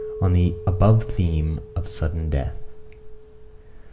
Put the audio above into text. ON THE ABOVE THEME OF SUDDEN DEATH.